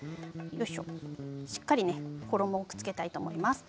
しっかり衣をくっつけたいと思います。